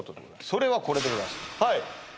それはこれでございます